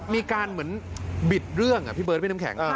มีการเหมือนบิดเรื่องอ่ะพี่เบิร์ดพี่น้ำแข็ง